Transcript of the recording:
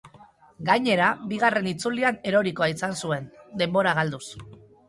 Gainera, bigarren itzulian erorikoa izan zuen, denbora galduz.